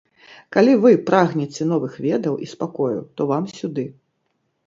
Калі вы прагнеце новых ведаў і спакою, то вам сюды!